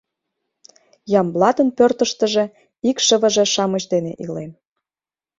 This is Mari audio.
Ямблатын пӧртыштыжӧ икшывыже-шамыч дене илен.